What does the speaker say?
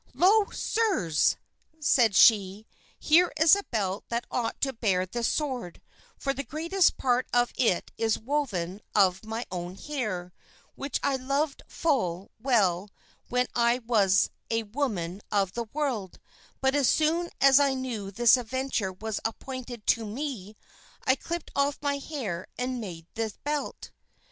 "Lo! sirs," said she, "here is a belt that ought to bear this sword; for the greatest part of it is woven of my own hair, which I loved full well when I was a woman of the world; but as soon as I knew this adventure was appointed to me, I clipped off my hair and made this belt."